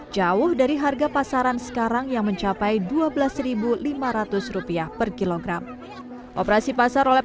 jauh dari harga pasaran sekarang yang mencapai dua belas lima ratus rupiah per kilogram operasi pasar oleh